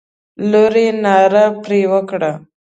لور یې ناره پر وکړه.